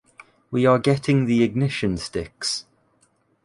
We are getting the ignition sticks.